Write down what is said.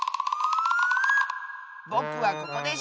ぼくはここでした！